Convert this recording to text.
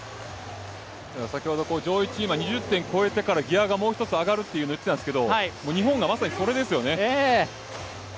先ほど上位チームは２０点超えてからギアがもう一つ上がると言っていたんですけども日本がまさにそれですよね。